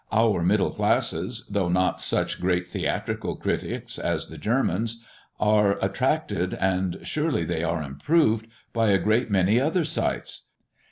Our middle classes, though not such great theatrical critics as the Germans, are attracted, and surely they are improved by a great many other sights.